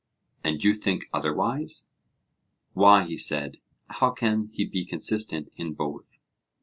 And you think otherwise? Why, he said, how can he be consistent in both?